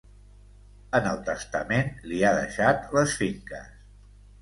En el testament li ha deixat les finques.